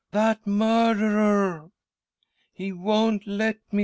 ' That murderer ! He won't let me.